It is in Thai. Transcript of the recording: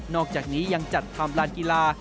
อกจากนี้ยังจัดทำลานกีฬา